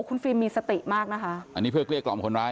คุณฟิล์มมีสติมากนะคะอันนี้เพื่อเกลี้กล่อมคนร้าย